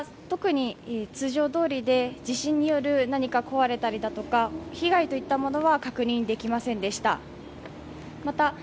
特に通常通りで、地震による何か壊れたりだとか被害といったものは確認できませんでした。